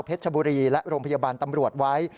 ชบุรีและโรงพยาบาลตำรวจไว้